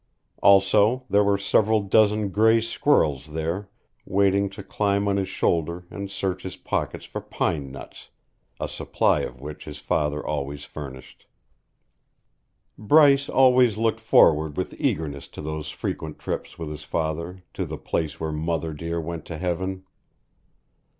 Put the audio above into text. Also there were several dozen gray squirrels there waiting to climb on his shoulder and search his pockets for pine nuts, a supply of which his father always furnished. Bryce always looked forward with eagerness to those frequent trips with his father "to the place where Mother dear went to heaven."